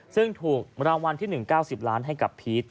ซึ่งถูกรางวัลที่๑๙๐ล้านให้กับพีช